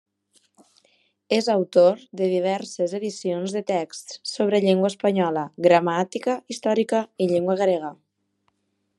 És autor de diverses edicions de texts sobre llengua espanyola, gramàtica històrica i llengua grega.